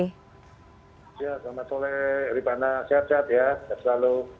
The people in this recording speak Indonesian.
selamat sore irvana sehat sehat ya